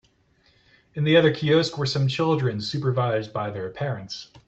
In the other kiosk were some children supervised by their parents.